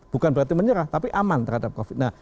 bukan berarti menyerah tapi aman terhadap covid